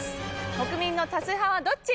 国民の多数派はどっち？